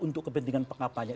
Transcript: untuk kepentingan kampanye